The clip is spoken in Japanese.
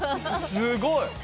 すごい。